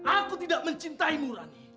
aku tidak mencintaimu rani